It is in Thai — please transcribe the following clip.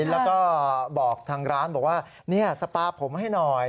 แล้วก็บอกทางร้านบอกว่าสปาผมให้หน่อย